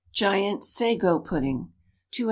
GIANT SAGO PUDDING. 2 oz.